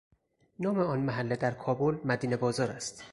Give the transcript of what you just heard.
نام آن محله در کابل، مدینه بازار است